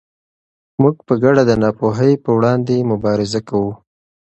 موږ په ګډه د ناپوهۍ پر وړاندې مبارزه کوو.